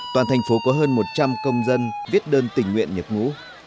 toàn thành phố có hơn một trăm linh công dân viết đơn tình nguyện nhập ngũ